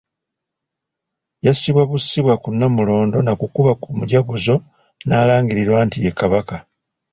Yassibwa bussibwa ku Nnamulondo na kukuba ku Mujaguzo n'alangirirwa nti ye Kabaka.